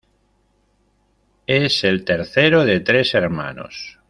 Es el tercero de tres hermanos.